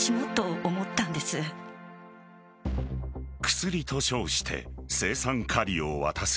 薬と称して青酸カリを渡す。